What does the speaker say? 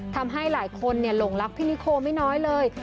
ทำให้หลายคนหลงรักพี่นิโคไม่น้อยเลย